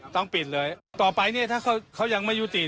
ต้องปิดเลยต่อไปเนี่ยถ้าเขายังไม่ยุติ